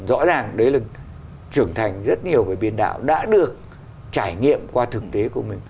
rõ ràng đấy là trưởng thành rất nhiều về biên đạo đã được trải nghiệm qua thực tế của mình